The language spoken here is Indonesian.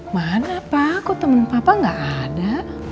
mana pak kok temen papa gak ada